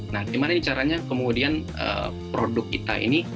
nah gimana caranya kemudian produk kita ini